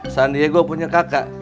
sandiego punya kakek